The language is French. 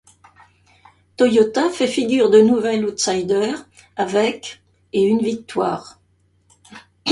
Toyota fait figure de nouvel outsider avec et une victoire.